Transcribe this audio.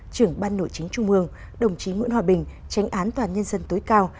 trưởng ban nội chính trung mương đồng chí nguyễn hòa bình tránh án toàn nhân dân tối cao